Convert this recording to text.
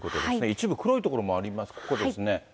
一部、黒い所もありますね、ここですね。